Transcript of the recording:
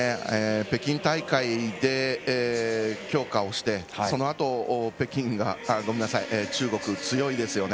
北京大会で強化をしてそのあと、中国強いですよね。